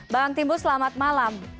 bang timbu selamat malam